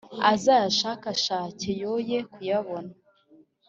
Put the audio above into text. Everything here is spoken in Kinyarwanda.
azayashakashake yoye kuyabona